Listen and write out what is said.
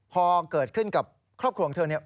พอเกิดขึ้นกับครอบครัวของเธอเนี่ย